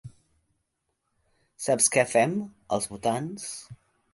Saps què fem als votants?